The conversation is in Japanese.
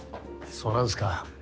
そうなんですか。